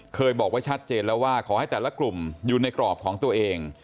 เคยบอกไว้ชัดเจนแล้วว่าขอให้แต่ละกลุ่มอยู่ในกรอบของตัวเอง